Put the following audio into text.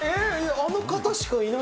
あの方しかいない。